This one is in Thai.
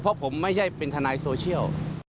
เพราะผมไม่ใช่เป็นทนายโซเชียล